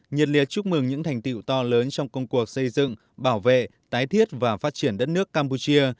nhiệt liệt chúc mừng những thành tiệu to lớn trong công cuộc xây dựng bảo vệ tái thiết và phát triển đất nước campuchia